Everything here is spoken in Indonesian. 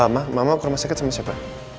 ma mama ke rumah sakit sama siapa